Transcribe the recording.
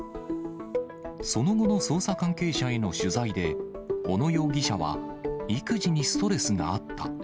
その後の捜査関係者への取材で、小野容疑者は、育児にストレスがあった。